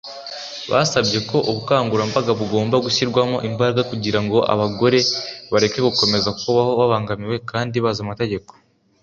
basabye ko ubukangurambaga bugomba gushyirwamo imbaraga kugira ngo abagore bareke gukomeza kubaho babangamiwe kandi bazi amategeko